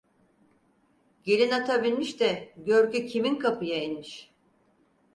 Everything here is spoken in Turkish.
Gelin ata binmiş de, görkü kimin kapıya inmiş.